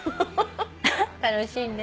楽しいね。